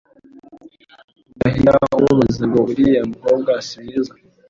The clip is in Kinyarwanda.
ugahita umubaza ngo Uriya mukobwa si mwiza